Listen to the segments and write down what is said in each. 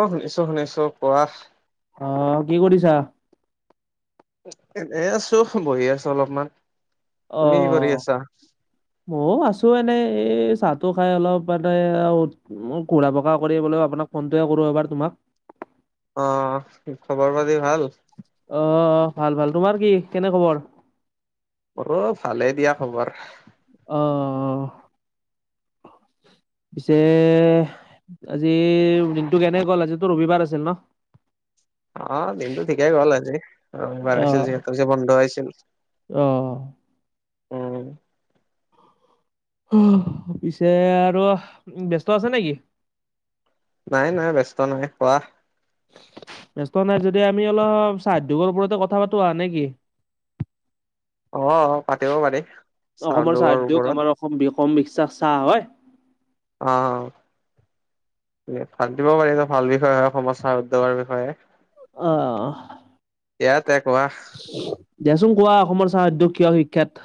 অ'! শুনিছোঁ, শুনিছোঁ। কোৱা? অ'! কি কৰিছা? এনে আছোঁ, বহি আছোঁ অলপমান। তুমি কি কৰি আছা? মইয়ো আছোঁ, এনেই। এই, চাহটো খাই অলপ মানে, আৰু [unintelligible] কৰিবলে, আপোনাক ফোনটোৱে কৰোঁ, এবাৰ তোমাক। অ'! খবৰ পাতি ভাল? অ'! ভাল, ভাল। তোমাৰ কি, কেনে খবৰ? অ'! ভালে দিয়া, খবৰ। অ'! পিছে, আজি দিনটো, কেনে গ'ল? আজিতো ৰবিবাৰ আছিল ন'? অ'! দিনটো ঠিকেই গ'ল, আজি। ৰং বাঢ়িছিল অ', যিহেতু, বন্ধ হৈছিল। অ'! অ'! পিছে আৰু ব্যস্ত আছে নেকি? নাই, নাই, ব্যস্ত নাই। কোৱা? ব্যস্ত নাই যদি, আমি অলপ, চাহ উদ্যোগৰ ওপৰতে, কথা পাতোঁ, আও নেকি? অ'! পাতিব পাৰি। অসমৰ চাহ উদ্যোগৰ উদ্যোগ, ওপৰত আমাৰ অসম, অসম বিশ্বাস চাহ হয়। অ'! পাতিব পাৰিলে, ভাল বিষয়ে, অসমৰ চাহ উদ্যোগৰ বিষয়ে। অ'! ইয়াতে, কোৱা? দিয়াচোন, কোৱা? অসমৰ চাহ উদ্যোগ কিয় বিখ্যাত?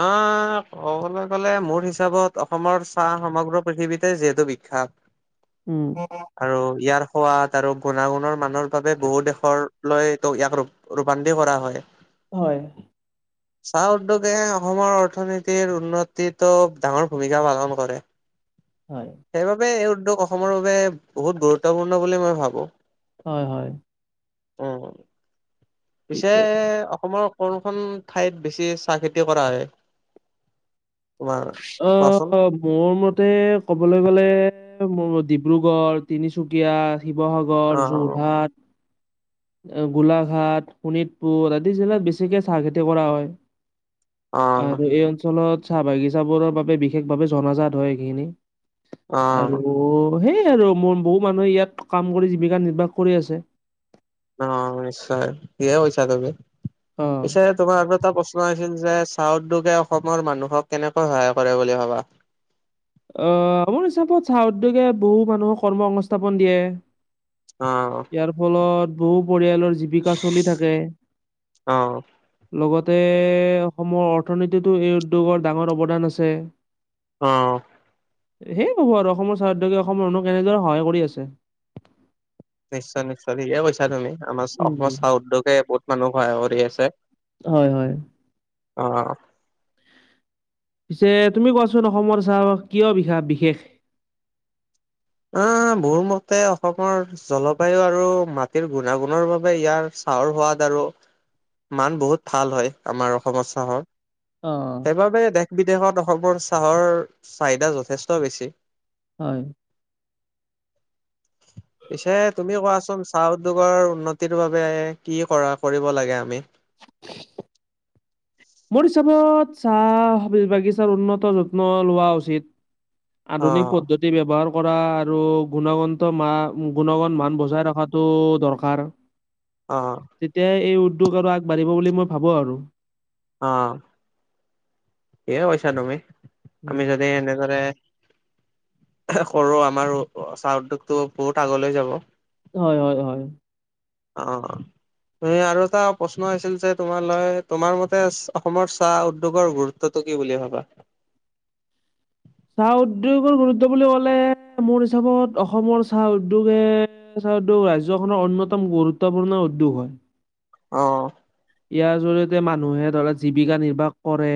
অ'! ক'বলৈ গ'লে, মোৰ হিচাপত, অসমৰ চাহ সমগ্ৰ পৃথিৱীতে, যিহেতু বিখ্যাত। উম! [unintelligible] আৰু ইয়াৰ সোৱাদ আৰু গুণাগুণৰ মানৰ বাবে, বহু দেশৰ লৈ তো ইয়াক, [unintelligible] ৰূপান্তি কৰা হয়। হয়! চাহ উদ্যোগ। অসমৰ অৰ্থনীতিৰ উন্নতিতো, ডাঙৰ ভূমিকা পালন কৰে। হয়! সেইবাবে, এই উদ্যোগ অসমৰ বাবে, বহুত গুৰুত্বপূৰ্ণ বুলি মই ভাবোঁ। হয়, হয়। উম উম, পিছে ঠিকে অসমৰ কোনখন ঠাইত বেছি চাহ খেতি কৰা হয়? তোমাৰ? কোৱাচোন অহ মোৰ মতে কবলৈ গলে মোৰ ডিব্ৰুগড়, তিনিচুকীয়া শিৱসাগৰ, অ', যোৰহাট, গোলাঘাট, শোণিতপুৰ আদি জেগাত বেছিকে চাহ খেতি কৰা হয়। অ', আৰু এই অঞ্চলত চাহ বাগিচাবোৰৰ বাবে বিশেষভাৱে জনাজাত হয়, এইখিনি অ', অ', আৰু সেই আৰু বহু মানুহে ইয়াত কাম কৰি জীৱিকা নিৰ্বাহ কৰি আছে। অহ নিশ্চয় ঠিকে কৈছা তুমি, অ। পিছে তোমাৰ আৰু এটা প্ৰশ্ন আছিল যে চাহ উদ্যোগে অসমৰ মানুহক কেনেকৈ সহায় কৰে বুলি ভাবা? আহ, মোৰ হিচাপত চাহ উদ্যোগে বহু মানুহক কৰ্ম সংস্থাপন দিয়ে। অহ ইয়াৰ ফলত বহু পৰিয়ালৰ জীৱিকা চলি থাকে। অ', লগতে অসমৰ অৰ্থনীতিতো এই উদ্যোগৰ ডাঙৰ অৱদান আছে। অহ সেই হব আৰু অসমৰ চাহ উদ্যোগিয় অসমৰ মানুহক এনেদৰে সহায় কৰি আছে। নিশ্চয় নিশ্চয়, ঠিকে কৈছা তুমি আমাৰ অসমৰ উম, চাহ উদ্যোগে বহুত মানুহ সহায় কৰি আছে। হয় হয়। অহ, অহ পিছে তুমি কোৱাচোন অসমত চাহ কিয় বিশ বিশেষ অ মোৰ মতে অসমৰ জলবায়ু আৰু মাটিৰ গুণাগুণৰ বাবে ইয়াৰ চাহৰ সোৱাদ আৰু মান বহুত ভাল হয়। আমাৰ অসমৰ চাহৰ অ', সেইবাবে দেশ বিদেশত অসমৰ চাহৰ চাহিদা যথেষ্ট বেছি। হয়। পিছে তুমি কোৱাচোন চাহ উদ্যোগৰ উন্নতিৰ বাবে কি কৰা কৰিব লাগে আমি? মোৰ হিচাপত চাহ বাগিচাৰ উন্নত যত্ন লোৱা উচিত। আধুনিক অ', প্ৰদ্ধতি ব্যৱহাৰ কৰা আৰু গুণগন্ত মা গুণগত মান বজাই ৰখাটো দৰকাৰ। অহ, অহ তেতিয়া এই উদ্যোগ আৰু আগবাঢ়িব বুলি মই ভাবো আৰু অহ ঠিকেই কৈছা তুমি, উম। আমি যদি এনেদৰে সৰু আমাৰো চাহৰ উদ্যোগটো বহুত আগলৈ যাব। হয় হয় হয়। অহ আৰু এটা প্ৰশ্ন আছিল যে তোমালৈ তোমাৰ মতে অসমৰ চাহ উদ্যোগৰ গুৰুত্ব গুৰুত্বটো কি বুলি ভাবা? চাহ উদ্যোগৰ গুৰুত্ব বুলি কলে মোৰ হিচাপত অসমৰ চাহ উদ্যোগে উদ্যোগ ৰাজ্যখনৰ অন্যতম গুৰুত্বপূৰ্ণ উদ্যোগ হয়। অহ, অহ ইয়াৰ জৰিয়তে মানুহে ধৰা জীৱিকা নিৰ্বাহ কৰে।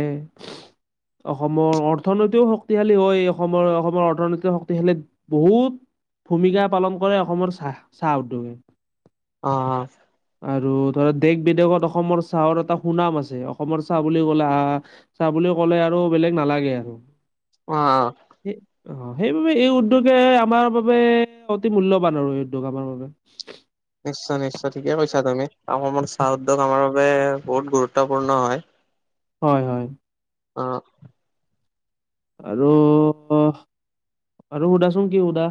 অসমৰ অৰ্থনৈতিও শক্তিশালী হয়। অসমৰ অসমৰ অৰ্থনৈতিক শক্তিশালী বহুত ভূমিকা পালন কৰে। অসমৰ চাহ চাহ উদ্যোগে অহ, অহ আৰু ধৰা দেশ বিদেশত অসমৰ চাহৰ এটা সুনাম আছে অসমৰ চাহ বুলি কলে আহ চাহ বুলি কলে আৰু বেলেগ নালাগে আৰু অহ সেই অহ অ সেইবাবে এই উদ্যোগে আমাৰ বাবে অতি মূল্যবান আৰু এই উদ্যোগ আমাৰ বাবে। নিশ্চয় নিশ্চয় ঠিকে কৈছা তুমি অকমান চাহ উদ্যোগ আমাৰ বাবে বহুত গুৰুত্বপূৰ্ণ হয়। হয় হয়। অঁ আৰু আৰু সুদাচোন কি সুদা।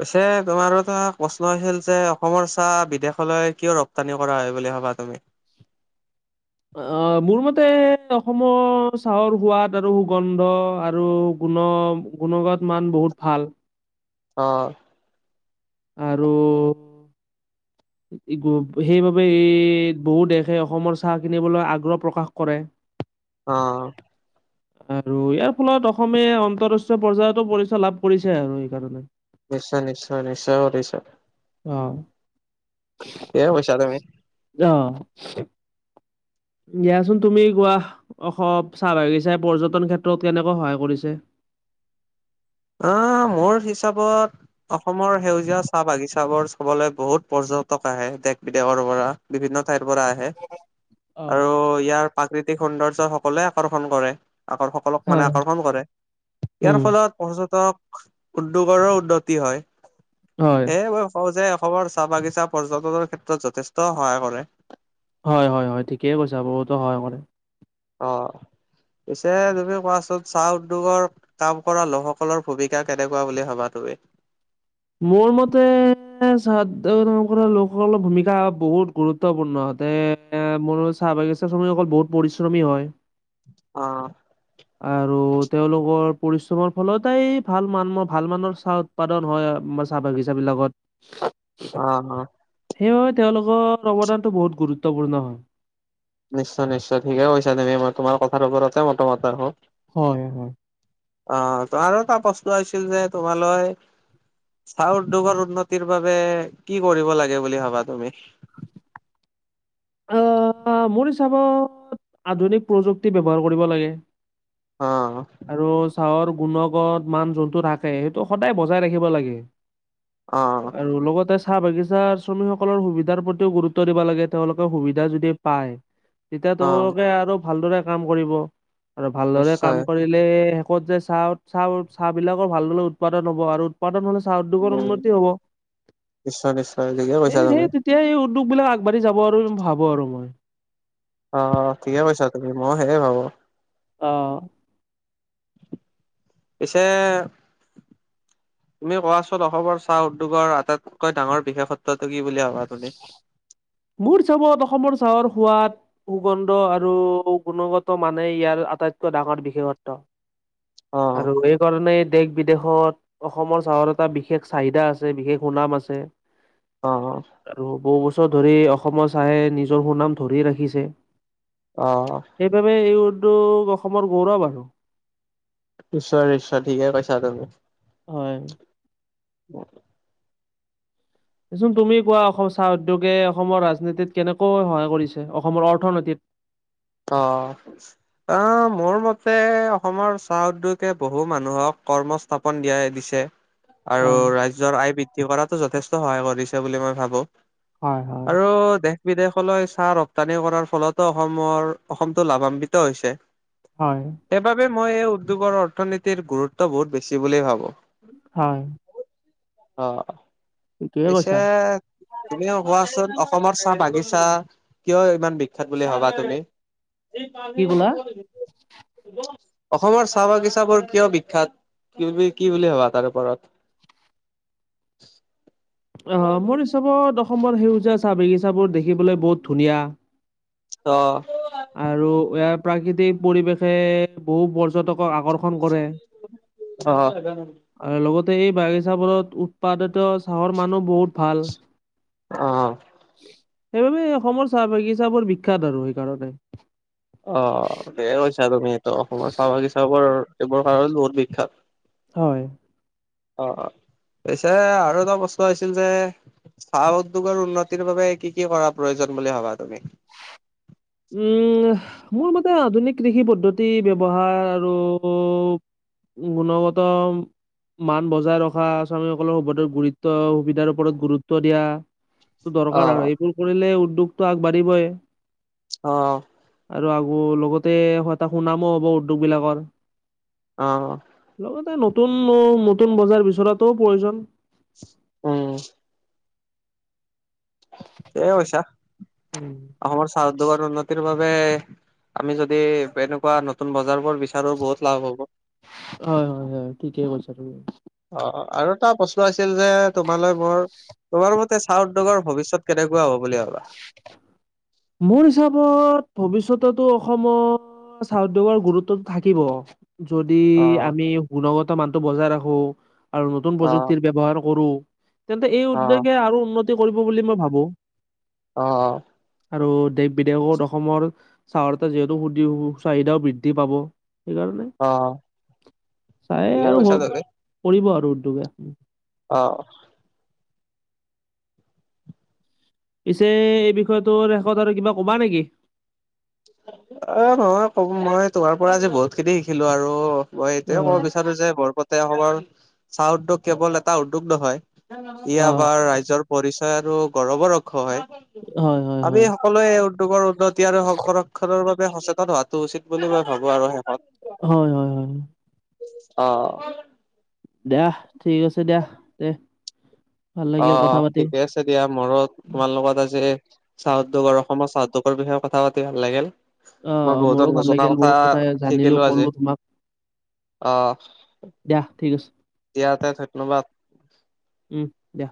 পাছে তোমাৰো এটা প্ৰশ্ন হৈছিল যে অসমৰ চাহ বিদেশলৈ কিয় ৰপ্তানি কৰা হয় বুলি ভাবা তুমি? অঁ মোৰ মতে অসমৰ চাহৰ সোৱাদ আৰু সুগন্ধ আৰু গুণ। গুণগত মান বহুত ভাল। অঁ আৰু সেইবাবে ই বহু দেশে অসমৰ চাহ কিনিবলৈ আগ্ৰহ প্ৰকাশ কৰে। অঁ আৰু ইয়াৰ ফলত অসমে আন্তৰাষ্ট্ৰীয় পৰ্যয়ায়তো পৰিচয় লাভ কৰিছে আৰু সেইকাৰণে। নিশ্চয় নিশ্চয় নিশ্চয় নিশ্চয়। অঁ ঠিকেই কৈছা তুমি। অঁ দিয়াচোন তুমি কোৱা অসম চাহ বাগিচাই পৰ্যটন ক্ষেত্ৰত কেনেকৈ সহায় কৰিছে। অঁ মোৰ হিচাপত। অসমৰ সেউজীয়া চাহ বাগিচাবোৰ চাবলৈ বহুত পৰ্যটক আহে। দেশ বিদেশৰ পৰা। বিভিন্ন ঠাইৰ পৰা আহে। [inaudible] আৰু ইয়াৰ প্ৰাকৃতিক সৌন্দৰ্য সকলোৱে আকৰ্ষণ কৰে। আকৰ্ষক- সকলক মানে হয় আকৰ্ষণ কৰে, ইয়াৰ উম ফলত পৰ্যটক উদ্যোগৰো উন্নতি হয়। হয়। এই মই কওঁ যে এ অসমৰ চাহ বাগিচা পৰ্যটনৰ ক্ষেত্ৰত যথেষ্ট সহায় কৰে। হয় হয় হয় ঠিকেই কৈছা বহুতো সহায় কৰে। অঁ, পিছে তুমি কোৱাচুন চাহ উদ্যোগৰ- কাম কৰা লোকসকলৰ ভূমিকা কেনেকুৱা বুলি ভাবা তুমি? মোৰ মতে- চাদ কৰা লোকসকলৰ ভূমিকা বহুত গুৰুত্বপূৰ্ণ হতে- এ মোৰো চাহ বাগিচাৰ শ্ৰমিক সকল বহুত পৰিশ্ৰমী হয়। অঁ [inaudible] আৰু তেওঁলোকৰ পৰিশ্ৰমৰ ফলতই ভাল মান ভাল মানৰ চাহ উৎপাদন হয়। অসমৰ চাহ বাগিছা বিলাকত। অ অ সেইবাবে তেওঁলোকৰ অৱদানতটো বহুত গুৰুত্বপূৰ্ণ হয়। নিশ্চয় নিশ্চয় ঠিকেই কৈছা তুমি। মই তোমাৰ কথাৰ ওপৰতে মতামত। হয় হয়। অঁ, আৰু এটা প্ৰশ্ন আছিল যে তোমালৈ- চাহ উদ্যোগৰ উন্নতিৰ বাবে কি কৰিব লাগে বুলি ভাবা তুমি? আহঁ মোৰ হিচাপত আধুনিক প্ৰযুক্তি ব্যৱহাৰ কৰিব লাগে। অ আৰু চাহৰ গুণগত মান যোনটো থাকে সেইটো সদায় বজাই ৰাখিব লাগে। অ আৰু লগতে চাহ বাগিচা শ্ৰমিকসকলৰ সুবিধাৰ প্ৰতিও গুৰুত্ব দিব লাগে তেওঁলোকে। সুবিধা যদি পায় তেতিয়া অ তেওঁলোকে আৰু ভালদৰে কাম কৰিব। আৰু ভালদৰে নিশ্চয় কাম কৰিলে শেষত যে চাহ চাহ চাহবিলাকৰ ভালদৰে উৎপাদন হ'ব আৰু। পতন হ'লে চাহ উদ্যোগৰ উম উন্নতি হব। নিশ্চয় নিশ্চয় ঠিকে সেই কৈছা তুমি সেই- এতিয়া এই উদ্যোগবিলাক আগবাঢ়ি যাব আৰু ভাবো আৰু মই। অঁ ঠিকে কৈছা তুমি মই সেয়ে ভাবো- অ পিছে [inaudible] তুমি কোৱাচোন অসমৰ চাহ উদ্যোগৰ আটাইতকৈ ডাঙৰ বিশেষত্বটো কি বুলি ভাবা তুমি? মোৰ হিচাপত অসমৰ চাহৰ সোৱাদ সুগন্ধ আৰু গুণগত মানে ইয়াৰ আটাইতকৈ ডাঙৰ বিশেষত্ব। অ আৰু এই কাৰনেই দেশ বিদেশত অসমৰ চাহত এটা বিশেষ চাহিদা আছে, বিশেষ সুনাম আছে। অ আৰু বহু বছৰ ধৰি অসমৰ চাহে নিজৰ সুনাম ধৰি ৰাখিছে। অ সেইবাবে এই উদ্যোগ অসমৰ গৌৰৱ আৰু। নিশ্বয় নিশ্বয় ঠিকে কৈছা তুমি। হয়। দেচোন তুমি কোৱা অসম চাহ উদ্যোগে অসমৰ ৰাজনীতিত কেনেকৈ সহায় কৰিছে অসমৰ অৰ্থনীতিত? অ আহ মোৰ মতে অসমৰ চাহ উদ্যোগে বহু মানুহক কৰ্ম স্থাপন দিয়াই দিছে। আৰু হয় ৰাজ্যৰ আয় বৃদ্ধি কৰাতো যথেষ্ট সহায় কৰিছে বুলি মই ভাবোঁ। হয় হয় আৰু দেশ বিদেশলৈ চাহ ৰপ্তানি কৰাৰ ফলতো অসমৰ', অসমটো লাভান্বিত হৈছে', হয়', সেইবাবে মই এই উদ্যোগৰ অৰ্থনীতিৰ গুৰুত্ব বহুত বেছি বুলিয়েই ভাবোঁ', হয়', অ ঠিকেই পিছে কৈছা তুমি কোৱাচোন অসমৰ চাহ বাগিচা কিয় ইমান বিখ্যাত বুলি ভাবা তুমি? কি কলা অসমৰ চাহ বাগিচাবোৰ কিয় বিখ্যাত? তুমি কি বুলি ভাবা তাৰে ওপৰত? [inaudible] অ মোৰ হিচাপত অসমত সেউজীয়া চাহ বাগিচাবোৰ দেখিবলৈ বহুত ধুনীয়া। অ আৰু ইয়াৰ প্ৰাকৃতিক পৰিৱেশে বহুত বৰ পৰ্যটকৰ আকৰ্ষণ কৰে। অ অ আৰু লগতে এই বাগিচাবোৰত উৎপাদিত চাহৰ মানো বহুত ভাল', অ', সেইবাবে অসমৰ চাহ বাগিচাবোৰ বিখ্যাত আৰু সেইকাৰণে', অ', ভালে কৈছা তুমি ত অসমৰ চাহ বাগিচাবোৰ এইবোৰৰ কাৰণে বহুত বিখ্যাত', হয়', অ', পিছে আৰু এটা বস্তু আহিছিল যে? চাহ উদ্যোগৰ উন্নতিৰ বাবে কি কি কৰা প্ৰয়োজন বুলি ভাবা তুমি? উম', মোৰ মতে আধুনিক কৃষি পদ্ধতি ব্যৱহাৰ আৰু', গুণগত', মান বজাই ৰখা, শ্ৰমিকসকলৰ ওপৰত গুৰুত্ব, সুবিধাৰ ওপৰত গুৰুত্ব দিয়া', হেতু দৰকাৰ অ', আৰু এইবোৰ কৰিলে উদ্যোগটো আগবাঢ়িবই', অ', আৰু আকৌ লগতে এটা সুনামো হ'ব উদ্যোগবিলাকৰ', অ', অ', লগতে নতুন মৌ নতুন বজাৰ বিচৰাটোও প্ৰয়োজন', অ', ঠিকে কৈছা, অসমৰ চাহ উদ্যোগৰ উন্নতিৰ বাবে', আমি যদি এনেকুৱা নতুন বজাৰ বোৰ বিচাৰোঁ বহুত লাভ হ'ব', হয় মনয যায় ঠিকে কৈছা তুমি অ আৰু এটা প্ৰশ্ন আছিল যে তোমালৈ মোৰ। তোমাৰ মতে চাহ উদ্যোগৰ ভৱিষ্যত কেনেকুৱা হ'ব বুলি ভাবা। মোৰ হিচাপত ভৱিষ্যততো অসমত চাহ উদ্যোগৰ গুৰুত্বটো থাকিব। যদি অ', আমি গুণগত মানটো বজাই ৰাখো। আৰু নতুন অ', প্ৰযুক্তিৰ ব্যৱহাৰ কৰোঁ তেন্তে এই অ', উদ্বগে আৰু উন্নতি কৰিব বুলি মই ভাবো। অ অ, আৰু দেশ বিদেশত অসমৰ, চাহৰ যিহেতু সু চাহিদাও বৃদ্ধি পাব সেইকাৰণে। অ', চাহে ঠিকে আৰু কৈছা বহুত তুমি। কৰিব আৰু উদ্যোগে, অ অ, পিছে এই বিষয়টোৰ শেষত আৰু কিবা কবা নেকি। এ নহয় কম মই তোমাৰ পৰা আজি বহুত খিনি শিকিলোঁ আৰু মই এতিয়াও ক'ব অ', বিচাৰোঁ যে বৰপেতা অসমৰ চাহ উদ্যোগ কেৱল এটা উদ্যোগ নহয়। ই অ', আমাৰ ৰাইজৰ পৰিচয় আৰু গৌৰৱৰ ক্ষণ হয়। হয় হয় আমি হয়। সকলোৱে এই উদ্যোগৰ উন্নতি আৰু সংৰক্ষণৰ বাবে সচেতন হোৱাটো উচিত বুলি মই ভাবোঁ আৰু শেষত হয় হয় হয়, অ, দা ঠিক আছে দিয়া দে ভাল অ লাগিল কথা পাতি। ঠিকে আছে দিয়া মোৰো তোমাৰ লগত আজি চাহ উদ্যোগৰ অসমৰ চাহ উদ্যোগৰ বিষয়ে কথা পাতি ভাল লাগিল। মই অ', বহুত মোৰো ভাল নজনা লাগিল কথা বহুত কথাই জানিলো শিকিলোঁ আজি ক'লো তোমাক আহ দিয়া ঠিক আছে। ইয়াতে ধন্যবাদ। উম দিয়া।